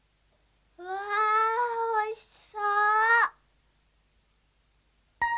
うわおいしそう。